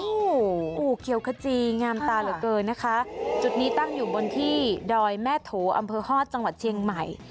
โอ้โหเขียวขจีงามตาเหลือเกินนะคะจุดนี้ตั้งอยู่บนที่ดอยแม่โถอำเภอฮอตจังหวัดเชียงใหม่